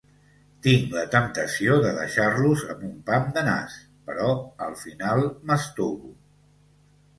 Tinc la temptació de deixar-los amb un pam de nas, però al final m'estovo.